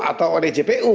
atau oleh jpu